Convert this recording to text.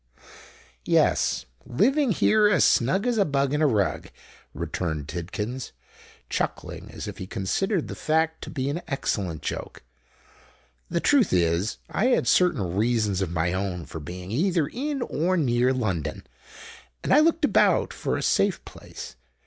"Yes—living here as snug as a bug in a rug," returned Tidkins, chuckling as if he considered the fact to be an excellent joke. "The truth is I had certain reasons of my own for being either in or near London: and I looked about for a safe place.